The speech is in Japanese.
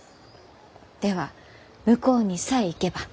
では向こうにさえ行けば。